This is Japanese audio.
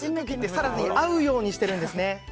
サラダに合うようにしてるんですね。